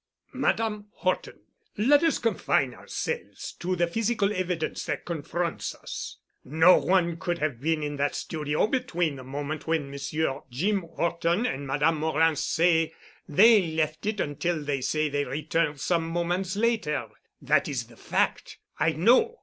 "Madame Horton, let us confine ourselves to the physical evidence that confronts us. _No one could have been in that studio between the moment when Monsieur Jim Horton and Madame Morin say they left it until they say they returned some moments later_. That is the fact. I know.